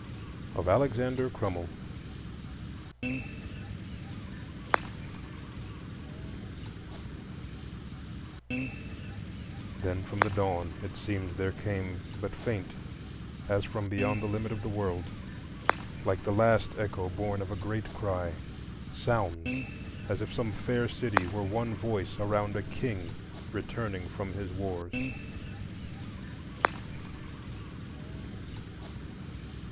Of Alexander Crummell Then from the Dawn it seemed there came, but faint As from beyond the limit of the world, Like the last echo born of a great cry, Sounds, as if some fair city were one voice Around a king returning from his wars.